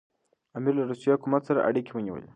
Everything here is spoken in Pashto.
امیر له روسي حکومت سره اړیکي ونیولې.